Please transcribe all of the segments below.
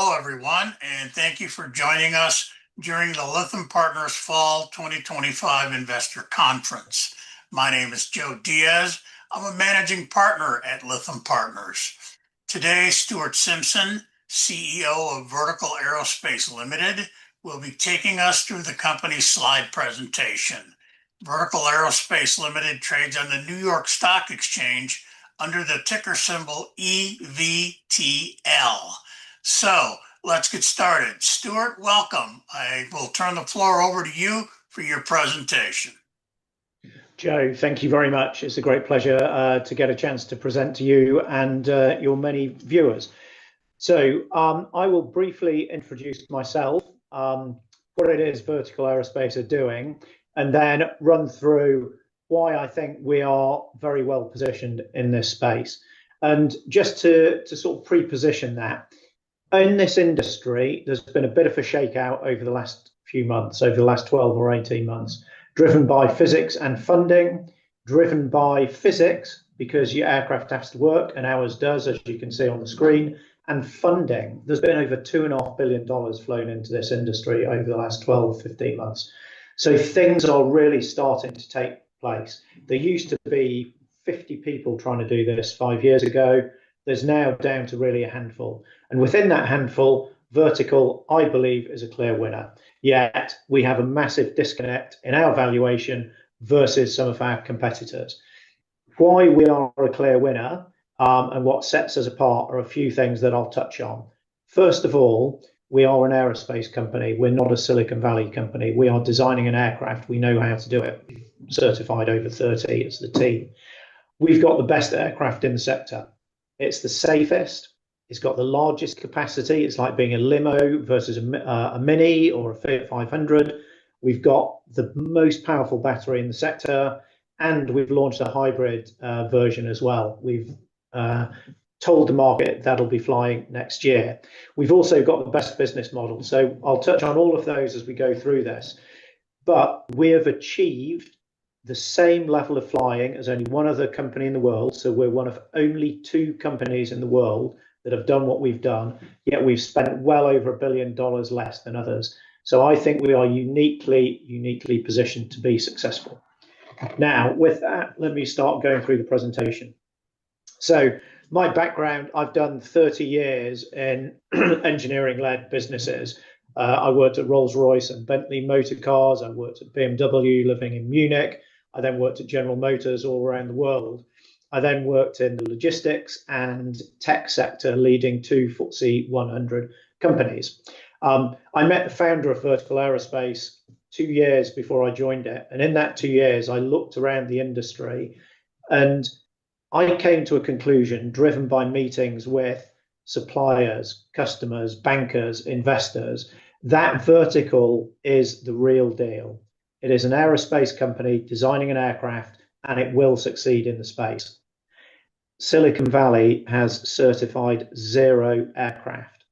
Hello everyone, and thank you for joining us during the Lithium Partners Fall 2025 Investor Conference. My name is Joe Diaz. I'm a managing partner at Lithium Partners. Today, Stuart Simpson, CEO of Vertical Aerospace Limited, will be taking us through the company's slide presentation. Vertical Aerospace Limited trades on the New York Stock Exchange under the ticker symbol EVTL. So let's get started. Stuart, welcome. I will turn the floor over to you for your presentation. Joe, thank you very much. It's a great pleasure to get a chance to present to you and your many viewers, so I will briefly introduce myself, what it is Vertical Aerospace are doing, and then run through why I think we are very well positioned in this space. And just to sort of pre-position that, in this industry, there's been a bit of a shakeout over the last few months, over the last 12 or 18 months, driven by physics and funding, driven by physics because your aircraft has to work and ours does, as you can see on the screen, and funding. There's been over $2.5 billion flown into this industry over the last 12-15 months, so things are really starting to take place. There used to be 50 people trying to do this five years ago. There's now down to really a handful. And within that handful, Vertical, I believe, is a clear winner. Yet we have a massive disconnect in our valuation versus some of our competitors. Why we are a clear winner and what sets us apart are a few things that I'll touch on. First of all, we are an aerospace company. We're not a Silicon Valley company. We are designing an aircraft. We know how to do it. We've certified over 30. It's the team. We've got the best aircraft in the sector. It's the safest. It's got the largest capacity. It's like being a limo versus a Mini or a Fiat 500. We've got the most powerful battery in the sector, and we've launched a hybrid version as well. We've told the market that'll be flying next year. We've also got the best business model. So I'll touch on all of those as we go through this. But we have achieved the same level of flying. There's only one other company in the world. So we're one of only two companies in the world that have done what we've done. Yet we've spent well over $1 billion less than others. So I think we are uniquely, uniquely positioned to be successful. Now, with that, let me start going through the presentation. So my background, I've done 30 years in engineering-led businesses. I worked at Rolls-Royce and Bentley Motors. I worked at BMW, living in Munich. I then worked at General Motors all around the world. I then worked in the logistics and tech sector, leading two Fortune 100 companies. I met the founder of Vertical Aerospace two years before I joined it. In that two years, I looked around the industry and I came to a conclusion driven by meetings with suppliers, customers, bankers, investors that Vertical is the real deal. It is an aerospace company designing an aircraft, and it will succeed in the space. Silicon Valley has certified zero aircraft.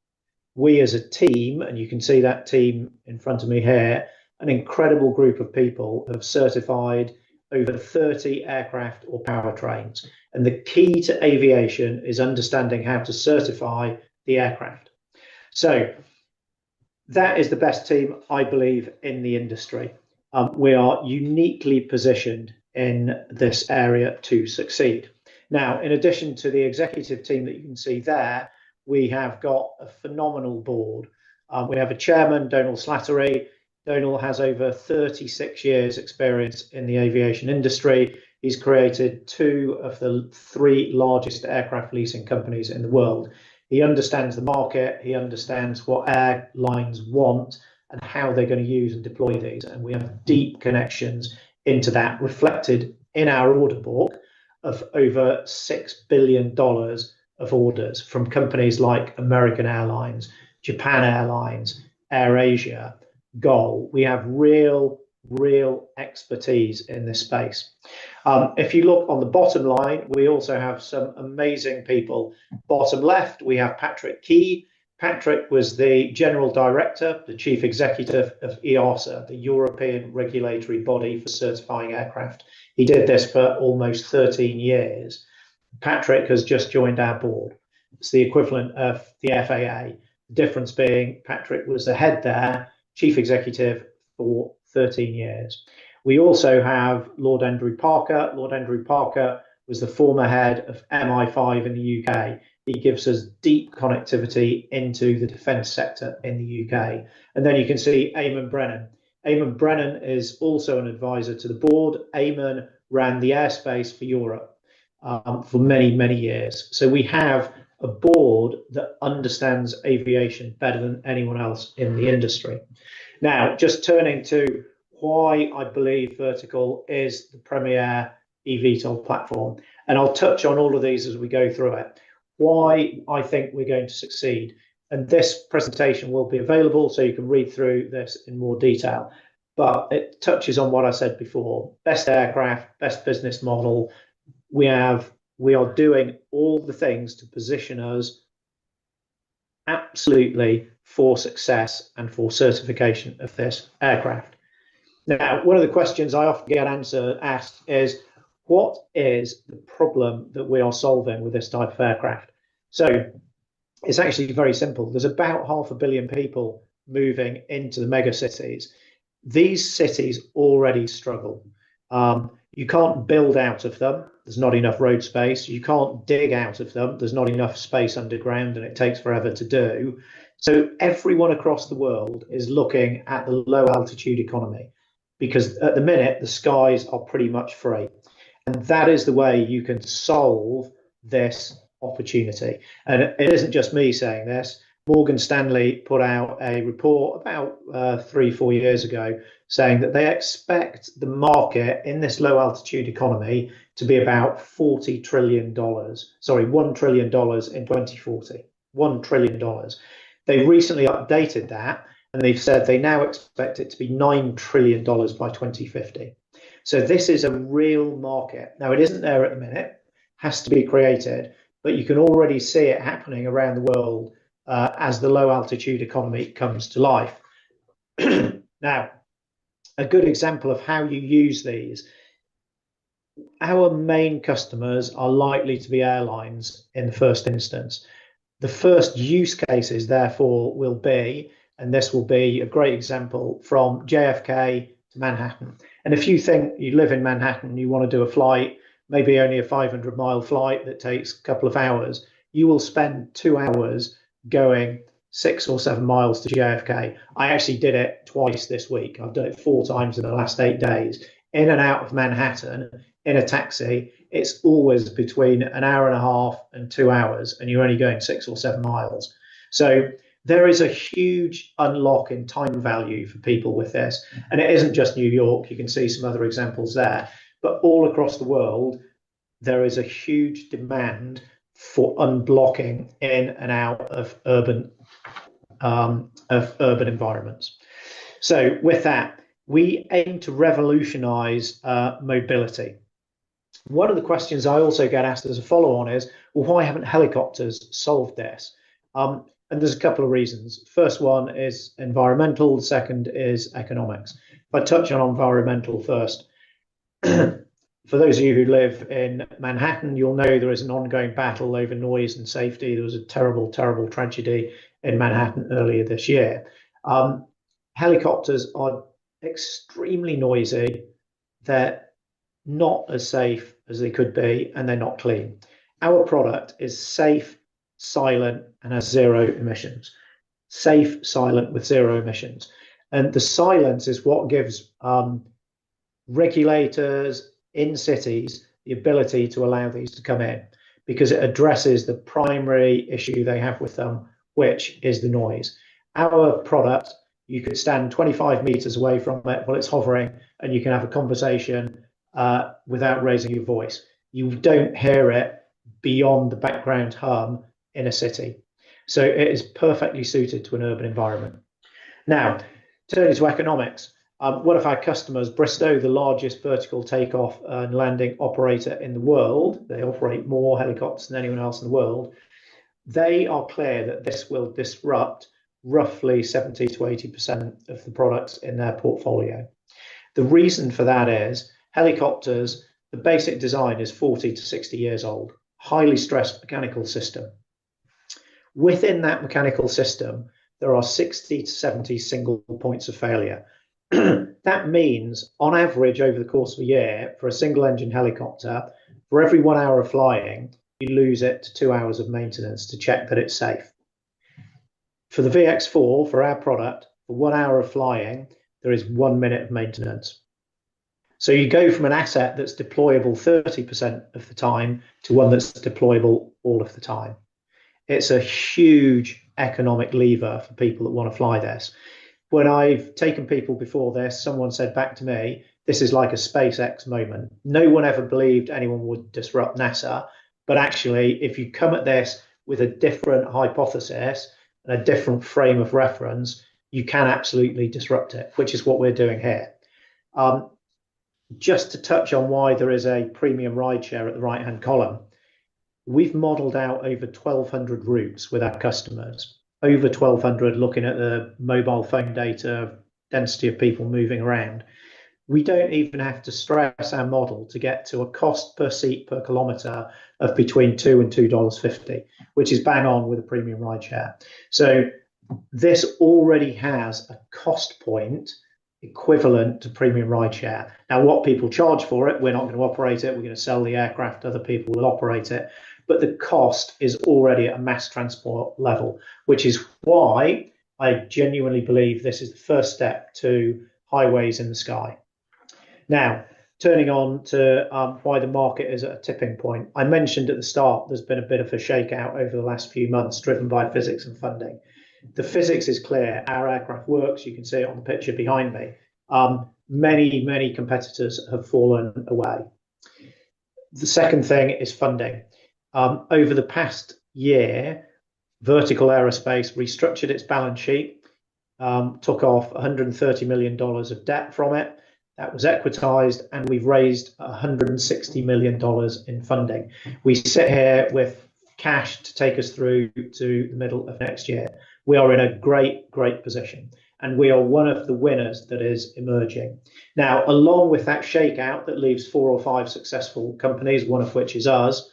We, as a team, and you can see that team in front of me here, an incredible group of people have certified over 30 aircraft or powertrains. The key to aviation is understanding how to certify the aircraft. That is the best team, I believe, in the industry. We are uniquely positioned in this area to succeed. Now, in addition to the executive team that you can see there, we have got a phenomenal board. We have a Chairman, Dómhnal Slattery. Dómhnal has over 36 years' experience in the aviation industry. He's created two of the three largest aircraft leasing companies in the world. He understands the market. He understands what airlines want and how they're going to use and deploy these. And we have deep connections into that reflected in our order book of over $6 billion of orders from companies like American Airlines, Japan Airlines, AirAsia, GOL. We have real, real expertise in this space. If you look on the bottom line, we also have some amazing people. Bottom left, we have Patrick Ky. Patrick was the general director, the Chief Executive of EASA, the European Regulatory Body for Certifying Aircraft. He did this for almost 13 years. Patrick has just joined our board. It's the equivalent of the FAA, the difference being Patrick was the head there, Chief Executive for 13 years. We also have Lord Andrew Parker. Lord Andrew Parker was the former head of MI5 in the U.K.. He gives us deep connectivity into the defense sector in the U.K.. And then you can see Eamon Brennan. Eamon Brennan is also an advisor to the board. Eamon ran the airspace for Europe for many, many years. So we have a board that understands aviation better than anyone else in the industry. Now, just turning to why I believe Vertical is the premier eVTOL platform, and I'll touch on all of these as we go through it. Why I think we're going to succeed, and this presentation will be available, so you can read through this in more detail, but it touches on what I said before. Best aircraft, best business model. We are doing all the things to position us absolutely for success and for certification of this aircraft. Now, one of the questions I often get asked is, what is the problem that we are solving with this type of aircraft? So it's actually very simple. There's about 500 million people moving into the megacities. These cities already struggle. You can't build out of them. There's not enough road space. You can't dig out of them. There's not enough space underground, and it takes forever to do. So everyone across the world is looking at the low altitude economy because at the minute, the skies are pretty much free. And that is the way you can solve this opportunity. And it isn't just me saying this. Morgan Stanley put out a report about three, four years ago saying that they expect the market in this low altitude economy to be about $40 trillion, sorry, $1 trillion in 2040. $1 trillion. They recently updated that, and they've said they now expect it to be $9 trillion by 2050. So this is a real market. Now, it isn't there at the minute. It has to be created, but you can already see it happening around the world as the low altitude economy comes to life. Now, a good example of how you use these. Our main customers are likely to be airlines in the first instance. The first use cases, therefore, will be, and this will be a great example from JFK to Manhattan, and if you think you live in Manhattan and you want to do a flight, maybe only a 500-mile flight that takes a couple of hours, you will spend two hours going 6-7 mi to JFK. I actually did it twice this week. I've done it 4x in the last eight days. In and out of Manhattan in a taxi, it's always between an hour and a half and two hours, and you're only going 6-7 mi, so there is a huge unlock in time value for people with this, and it isn't just New York. You can see some other examples there, but all across the world, there is a huge demand for unblocking in and out of urban environments, so with that, we aim to revolutionize mobility. One of the questions I also get asked as a follow-on is, well, why haven't helicopters solved this? And there's a couple of reasons. First one is environmental. The second is economics. If I touch on environmental first, for those of you who live in Manhattan, you'll know there is an ongoing battle over noise and safety. There was a terrible, terrible tragedy in Manhattan earlier this year. Helicopters are extremely noisy. They're not as safe as they could be, and they're not clean. Our product is safe, silent, and has zero emissions. Safe, silent, with zero emissions. And the silence is what gives regulators in cities the ability to allow these to come in because it addresses the primary issue they have with them, which is the noise. Our product, you could stand 25 m away from it while it's hovering, and you can have a conversation without raising your voice. You don't hear it beyond the background hum in a city. So it is perfectly suited to an urban environment. Now, turning to economics. What if our customers, Bristow, the largest vertical takeoff and landing operator in the world? They operate more helicopters than anyone else in the world. They are clear that this will disrupt roughly 70%-80% of the products in their portfolio. The reason for that is helicopters. The basic design is 40-60 years old, highly stressed mechanical system. Within that mechanical system, there are 60-70 single points of failure. That means, on average, over the course of a year, for a single-engine helicopter, for every one hour of flying, you lose it to two hours of maintenance to check that it's safe. For the VX4, for our product, for one hour of flying, there is one minute of maintenance. You go from an asset that's deployable 30% of the time to one that's deployable all of the time. It's a huge economic lever for people that want to fly this. When I've taken people before this, someone said back to me, this is like a SpaceX moment. No one ever believed anyone would disrupt NASA. But actually, if you come at this with a different hypothesis and a different frame of reference, you can absolutely disrupt it, which is what we're doing here. Just to touch on why there is a premium rideshare at the right-hand column, we've modeled out over 1,200 routes with our customers, over 1,200 looking at the mobile phone data, density of people moving around. We don't even have to stress our model to get to a cost per seat per km of between $2 and $2.50, which is bang on with a premium rideshare. So this already has a cost point equivalent to premium rideshare. Now, what people charge for it, we're not going to operate it. We're going to sell the aircraft. Other people will operate it. But the cost is already at a mass transport level, which is why I genuinely believe this is the first step to highways in the sky. Now, turning on to why the market is at a tipping point. I mentioned at the start there's been a bit of a shakeout over the last few months driven by physics and funding. The physics is clear. Our aircraft works. You can see it on the picture behind me. Many, many competitors have fallen away. The second thing is funding. Over the past year, Vertical Aerospace restructured its balance sheet, took off $130 million of debt from it. That was equitized, and we've raised $160 million in funding. We sit here with cash to take us through to the middle of next year. We are in a great, great position, and we are one of the winners that is emerging. Now, along with that shakeout that leaves four or five successful companies, one of which is us,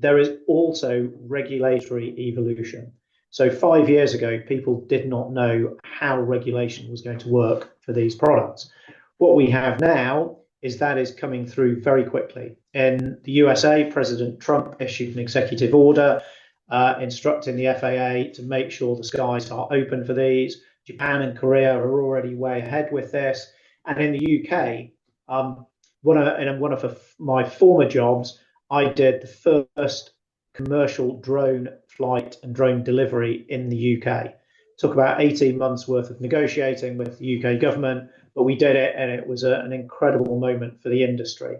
there is also regulatory evolution. So five years ago, people did not know how regulation was going to work for these products. What we have now is that is coming through very quickly. In the USA, President Trump issued an executive order instructing the FAA to make sure the skies are open for these. Japan and Korea are already way ahead with this. And in the U.K., in one of my former jobs, I did the first commercial drone flight and drone delivery in the U.K. Took about 18 months' worth of negotiating with the U.K. government, but we did it, and it was an incredible moment for the industry.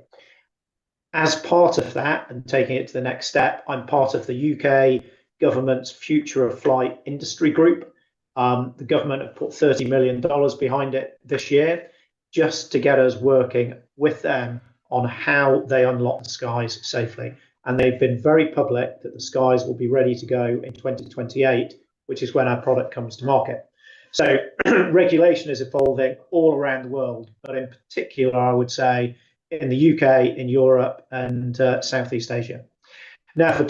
As part of that and taking it to the next step, I'm part of the U.K. government's Future of Flight Industry Group. The government have put $30 million behind it this year just to get us working with them on how they unlock the skies safely. They've been very public that the skies will be ready to go in 2028, which is when our product comes to market. Regulation is evolving all around the world, but in particular, I would say in the U.K., in Europe, and Southeast Asia. Now, if we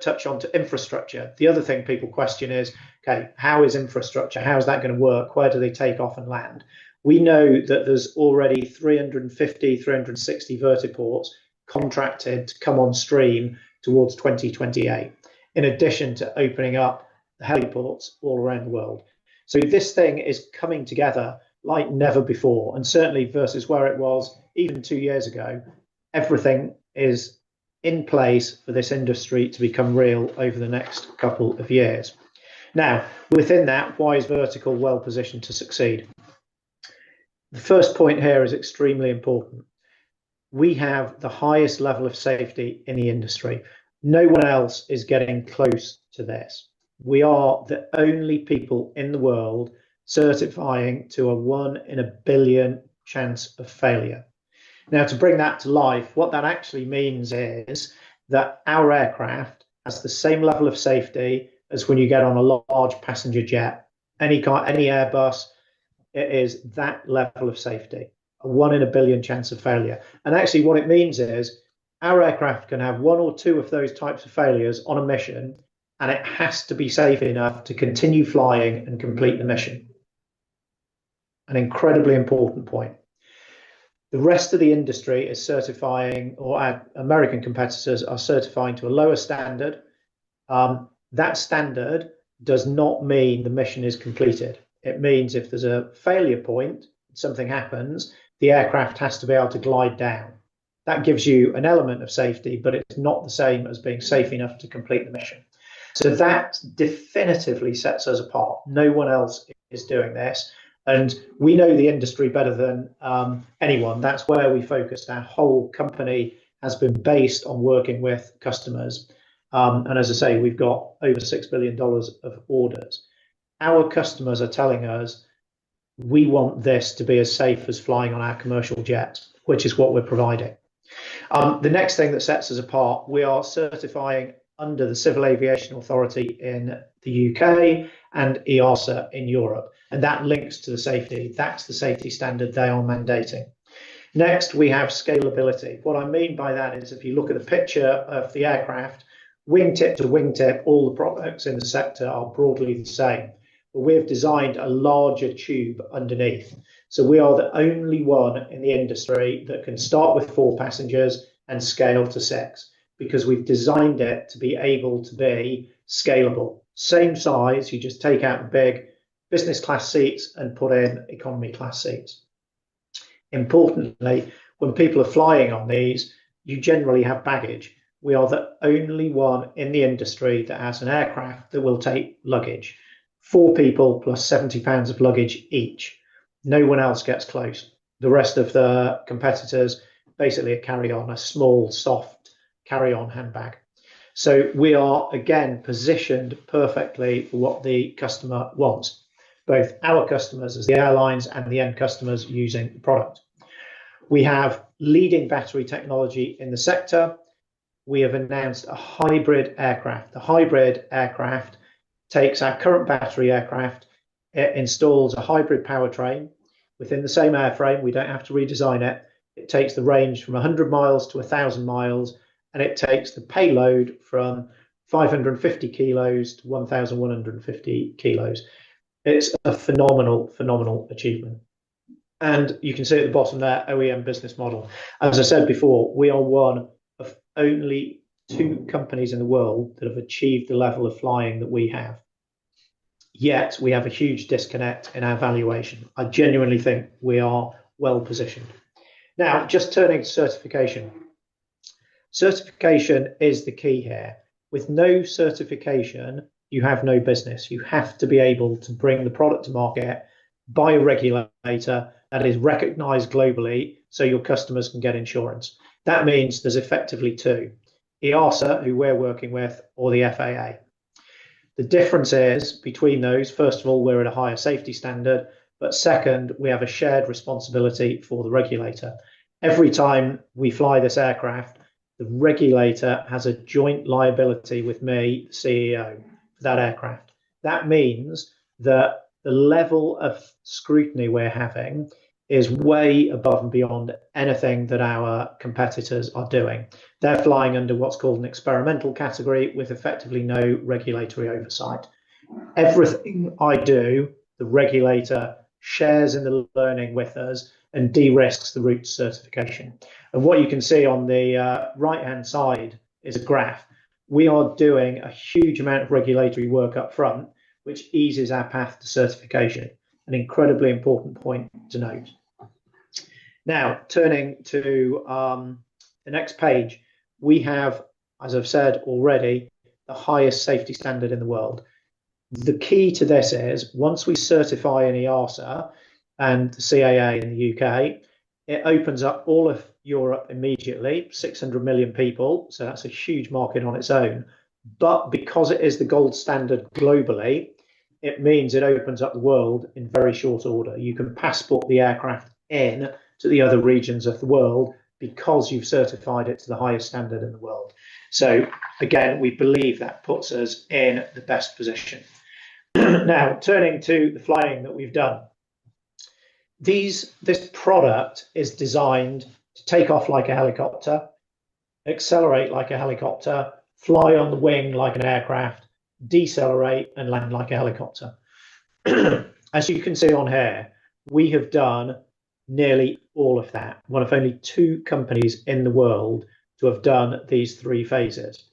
touch on to infrastructure, the other thing people question is, okay, how is infrastructure? How is that going to work? Where do they take off and land? We know that there's already 350-360 vertiports contracted to come on stream towards 2028, in addition to opening up heliports all around the world. This thing is coming together like never before. Certainly, versus where it was even two years ago, everything is in place for this industry to become real over the next couple of years. Now, within that, why is Vertical well positioned to succeed? The first point here is extremely important. We have the highest level of safety in the industry. No one else is getting close to this. We are the only people in the world certifying to a one in a billion chance of failure. Now, to bring that to life, what that actually means is that our aircraft has the same level of safety as when you get on a large passenger jet, any Airbus. It is that level of safety, a one in a billion chance of failure. And actually, what it means is our aircraft can have one or two of those types of failures on a mission, and it has to be safe enough to continue flying and complete the mission. An incredibly important point. The rest of the industry is certifying, or American competitors are certifying to a lower standard. That standard does not mean the mission is completed. It means if there's a failure point, something happens, the aircraft has to be able to glide down. That gives you an element of safety, but it's not the same as being safe enough to complete the mission. So that definitively sets us apart. No one else is doing this. And we know the industry better than anyone. That's where we focus. Our whole company has been based on working with customers. And as I say, we've got over $6 billion of orders. Our customers are telling us, we want this to be as safe as flying on our commercial jets, which is what we're providing. The next thing that sets us apart, we are certifying under the Civil Aviation Authority in the U.K. and EASA in Europe, and that links to the safety. That's the safety standard they are mandating. Next, we have scalability. What I mean by that is if you look at the picture of the aircraft, wingtip to wingtip, all the products in the sector are broadly the same, but we have designed a larger tube underneath. So we are the only one in the industry that can start with four passengers and scale to six because we've designed it to be able to be scalable. Same size. You just take out big business class seats and put in economy class seats. Importantly, when people are flying on these, you generally have baggage. We are the only one in the industry that has an aircraft that will take luggage. Four people plus 70 lbs of luggage each. No one else gets close. The rest of the competitors basically carry on a small, soft carry-on handbag. So we are, again, positioned perfectly for what the customer wants, both our customers as the airlines and the end customers using the product. We have leading battery technology in the sector. We have announced a hybrid aircraft. The hybrid aircraft takes our current battery aircraft. It installs a hybrid powertrain within the same airframe. We don't have to redesign it. It takes the range from 100-1,000 mi, and it takes the payload from 550 kg to 1,150 kg. It's a phenomenal, phenomenal achievement. And you can see at the bottom there, OEM business model. As I said before, we are one of only two companies in the world that have achieved the level of flying that we have. Yet we have a huge disconnect in our valuation. I genuinely think we are well positioned. Now, just turning to certification. Certification is the key here. With no certification, you have no business. You have to be able to bring the product to market by a regulator that is recognized globally so your customers can get insurance. That means there's effectively two, EASA, who we're working with, or the FAA. The difference is between those, first of all, we're at a higher safety standard, but second, we have a shared responsibility for the regulator. Every time we fly this aircraft, the regulator has a joint liability with me, the CEO, for that aircraft. That means that the level of scrutiny we're having is way above and beyond anything that our competitors are doing. They're flying under what's called an experimental category with effectively no regulatory oversight. Everything I do, the regulator shares in the learning with us and derisks the type certification, and what you can see on the right-hand side is a graph. We are doing a huge amount of regulatory work upfront, which eases our path to certification. An incredibly important point to note. Now, turning to the next page, we have, as I've said already, the highest safety standard in the world. The key to this is once we certify with EASA and the CAA in the U.K., it opens up all of Europe immediately, 600 million people. So that's a huge market on its own. But because it is the gold standard globally, it means it opens up the world in very short order. You can passport the aircraft into the other regions of the world because you've certified it to the highest standard in the world. So again, we believe that puts us in the best position. Now, turning to the flying that we've done. This product is designed to take off like a helicopter, accelerate like a helicopter, fly on the wing like an aircraft, decelerate and land like a helicopter. As you can see on here, we have done nearly all of that, one of only two companies in the world to have done these three phases.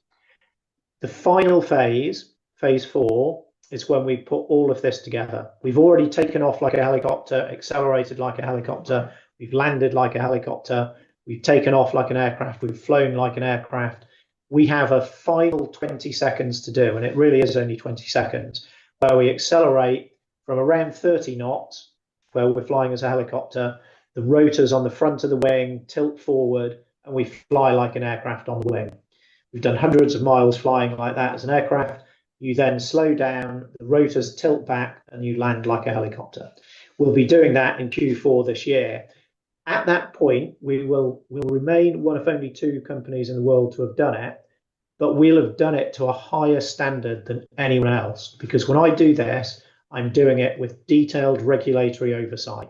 The final phase, phase IV, is when we put all of this together. We've already taken off like a helicopter, accelerated like a helicopter, we've landed like a helicopter, we've taken off like an aircraft, we've flown like an aircraft. We have a final 20 seconds to do, and it really is only 20 seconds, where we accelerate from around 30 knots, where we're flying as a helicopter. The rotors on the front of the wing tilt forward, and we fly like an aircraft on the wing. We've done hundreds of miles flying like that as an aircraft. You then slow down, the rotors tilt back, and you land like a helicopter. We'll be doing that in Q4 this year. At that point, we will remain one of only two companies in the world to have done it, but we'll have done it to a higher standard than anyone else because when I do this, I'm doing it with detailed regulatory oversight.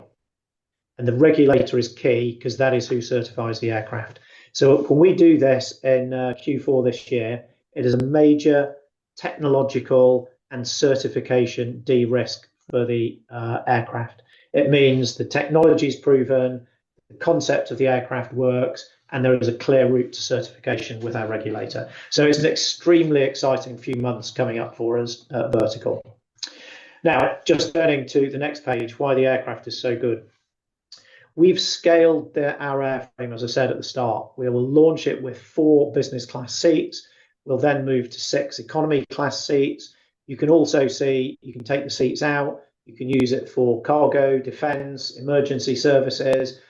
The regulator is key because that is who certifies the aircraft. When we do this in Q4 this year, it is a major technological and certification de-risk for the aircraft. It means the technology is proven, the concept of the aircraft works, and there is a clear route to certification with our regulator. It's an extremely exciting few months coming up for us at Vertical. Now, just turning to the next page, why the aircraft is so good. We've scaled our airframe, as I said at the start. We will launch it with four business class seats. We'll then move to six economy class seats. You can also see, you can take the seats out. You can use it for cargo, defense, emergency services.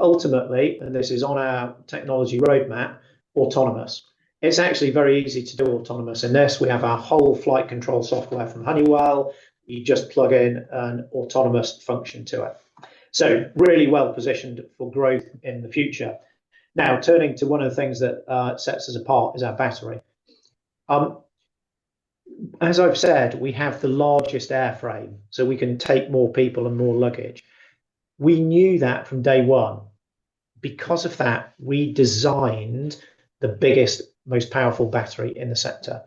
Ultimately, and this is on our technology roadmap, autonomous. It's actually very easy to do autonomous in this. We have our whole flight control software from Honeywell. You just plug in an autonomous function to it, so really well positioned for growth in the future. Now, turning to one of the things that sets us apart is our battery. As I've said, we have the largest airframe, so we can take more people and more luggage. We knew that from day one. Because of that, we designed the biggest, most powerful battery in the sector.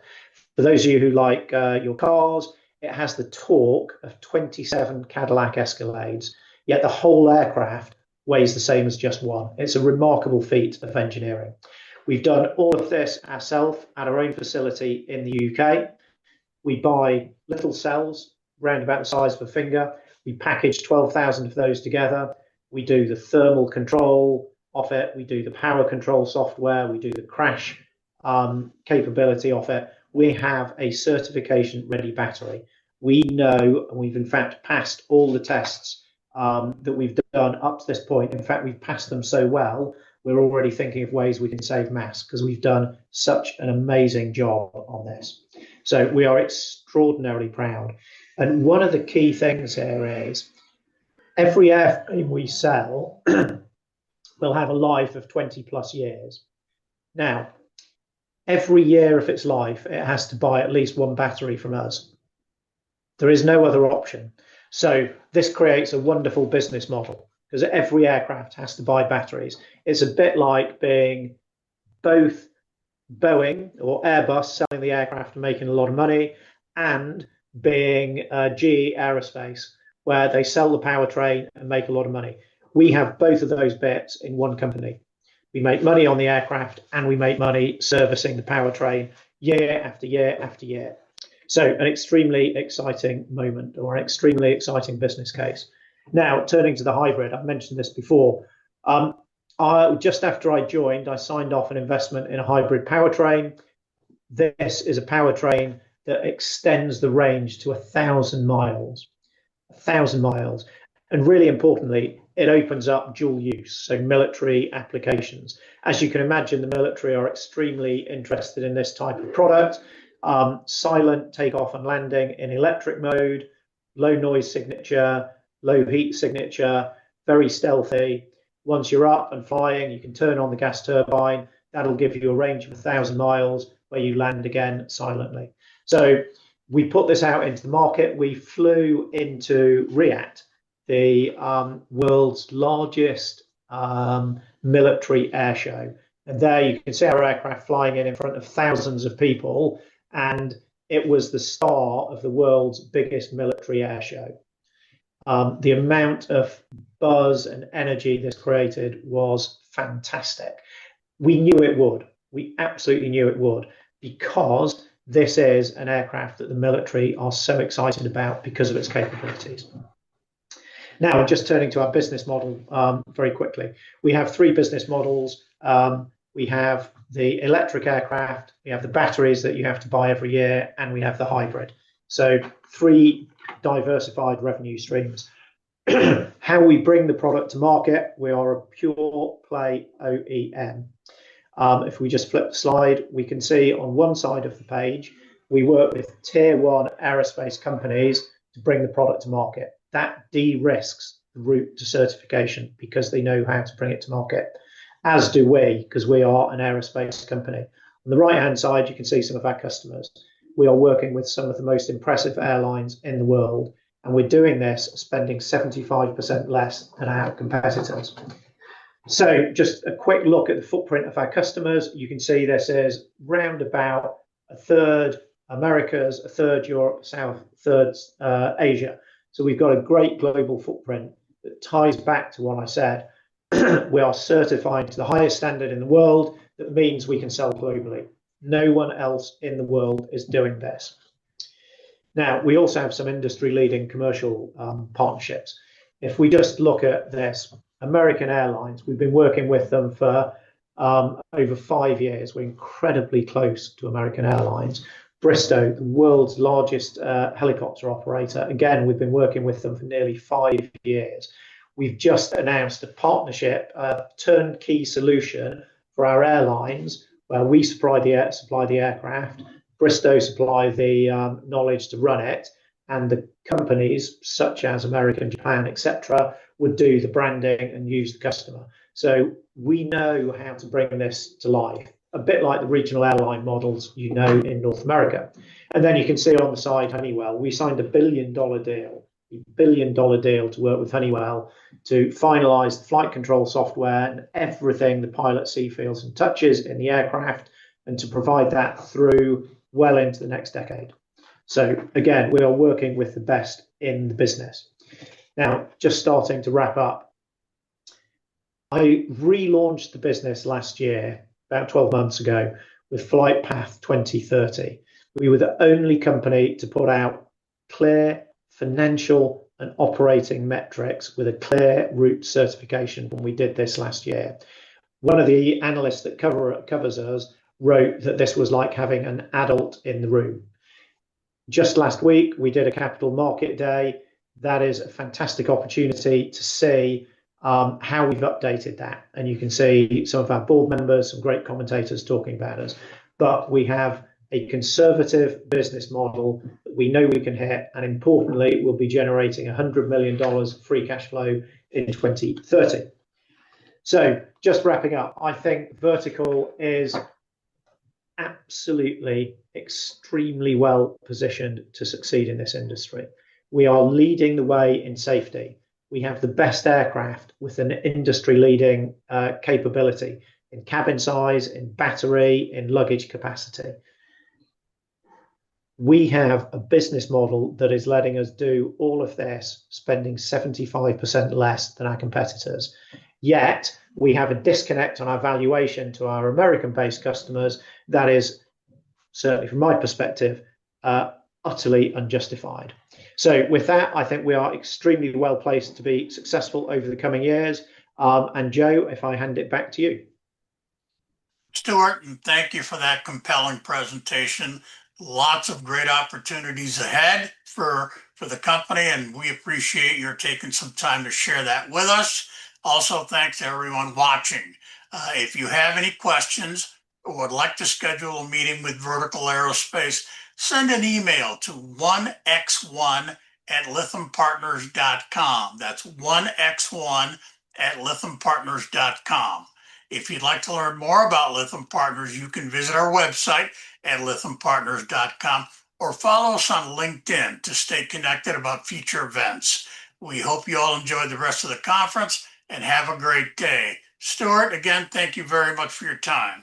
For those of you who like your cars, it has the torque of 27 Cadillac Escalades, yet the whole aircraft weighs the same as just one. It's a remarkable feat of engineering. We've done all of this ourselves at our own facility in the U.K.. We buy little cells, round about the size of a finger. We package 12,000 of those together. We do the thermal control of it. We do the power control software. We do the crash capability of it. We have a certification-ready battery. We know, and we've in fact passed all the tests that we've done up to this point. In fact, we've passed them so well, we're already thinking of ways we can save mass because we've done such an amazing job on this. So we are extraordinarily proud. And one of the key things here is every airframe we sell will have a life of 20+ years. Now, every year of its life, it has to buy at least one battery from us. There is no other option. So this creates a wonderful business model because every aircraft has to buy batteries. It's a bit like being both Boeing or Airbus selling the aircraft and making a lot of money and being GE Aerospace, where they sell the powertrain and make a lot of money. We have both of those bits in one company. We make money on the aircraft, and we make money servicing the powertrain year after year after year. So an extremely exciting moment or an extremely exciting business case. Now, turning to the hybrid, I've mentioned this before. Just after I joined, I signed off an investment in a hybrid powertrain. This is a powertrain that extends the range to 1,000 mi. 1,000 mi. And really importantly, it opens up dual use, so military applications. As you can imagine, the military are extremely interested in this type of product. Silent takeoff and landing in electric mode, low noise signature, low heat signature, very stealthy. Once you're up and flying, you can turn on the gas turbine. That'll give you a range of 1,000 mi where you land again silently, so we put this out into the market. We flew into Riyadh, the world's largest military airshow, and there you can see our aircraft flying in front of thousands of people, and it was the star of the world's biggest military airshow. The amount of buzz and energy this created was fantastic. We knew it would. We absolutely knew it would because this is an aircraft that the military are so excited about because of its capabilities. Now, just turning to our business model very quickly. We have three business models. We have the electric aircraft. We have the batteries that you have to buy every year, and we have the hybrid, so three diversified revenue streams. How we bring the product to market, we are a pure play OEM. If we just flip the slide, we can see on one side of the page, we work with tier one aerospace companies to bring the product to market. That de-risks the route to certification because they know how to bring it to market, as do we because we are an aerospace company. On the right-hand side, you can see some of our customers. We are working with some of the most impressive airlines in the world, and we're doing this spending 75% less than our competitors. So just a quick look at the footprint of our customers. You can see this is round about a third Americas, a third Europe, a third Asia. So we've got a great global footprint that ties back to what I said. We are certified to the highest standard in the world. That means we can sell globally. No one else in the world is doing this. Now, we also have some industry-leading commercial partnerships. If we just look at this, American Airlines, we've been working with them for over five years. We're incredibly close to American Airlines. Bristow, the world's largest helicopter operator. Again, we've been working with them for nearly five years. We've just announced a partnership, a turnkey solution for our airlines where we supply the aircraft, Bristow supplies the knowledge to run it, and the companies such as American, Japan, etc., would do the branding and use the customer, so we know how to bring this to life, a bit like the regional airline models you know in North America, and then you can see on the side Honeywell. We signed a $1 billion deal, a $1 billion deal to work with Honeywell to finalize the flight control software and everything the pilot sees, feels and touches in the aircraft and to provide that through, well into the next decade. Again, we are working with the best in the business. Now, just starting to wrap up, I relaunched the business last year, about 12 months ago, with FlightPath 2030. We were the only company to put out clear financial and operating metrics with a clear roadmap to certification when we did this last year. One of the analysts that covers us wrote that this was like having an adult in the room. Just last week, we did a capital market day. That is a fantastic opportunity to see how we've updated that. You can see some of our board members, some great commentators talking about us. But we have a conservative business model that we know we can hit. And importantly, we'll be generating $100 million free cash flow in 2030. So just wrapping up, I think Vertical is absolutely extremely well positioned to succeed in this industry. We are leading the way in safety. We have the best aircraft with an industry-leading capability in cabin size, in battery, in luggage capacity. We have a business model that is letting us do all of this spending 75% less than our competitors. Yet we have a disconnect on our valuation to our American-based customers that is, certainly from my perspective, utterly unjustified. So with that, I think we are extremely well placed to be successful over the coming years. And Joe, if I hand it back to you. Stuart, thank you for that compelling presentation. Lots of great opportunities ahead for the company, and we appreciate your taking some time to share that with us. Also, thanks to everyone watching. If you have any questions or would like to schedule a meeting with Vertical Aerospace, send an email to 1x1@lithumpartners.com. That's 1x1@lithumpartners.com. If you'd like to learn more about Lithium Partners, you can visit our website at lithumpartners.com or follow us on LinkedIn to stay connected about future events. We hope you all enjoy the rest of the conference and have a great day. Stuart, again, thank you very much for your time.